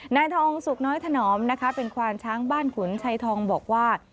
นายทองสุกน้อยถนอมนะคะเป็นควานช้างบ้านขุนชัยทองบอกว่า